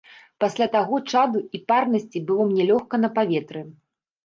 Пасля таго чаду і парнасці было мне лёгка на паветры.